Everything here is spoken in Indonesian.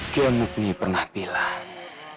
kiamukni pernah bilang